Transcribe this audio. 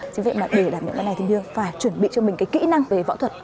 chính vì vậy để đảm nhận vai này thì minh hương phải chuẩn bị cho mình cái kỹ năng về võ thuật